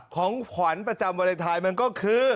ของขวัญประจำวาเลนไทยมันก็คือ